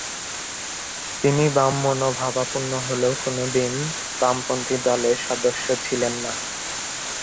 তিনি বাম মনোভাবাপন্ন হলেও কোনদিন বামপন্থী দলের সদস্য ছিলেন না।